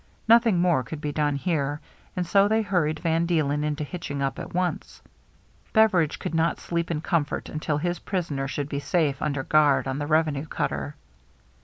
Nothing more could be done here, and so they hurried Van Deelen into hitching up at once. Beveridge could not sleep in comfort until his prisoner should be safe under guard on the revenue cutter.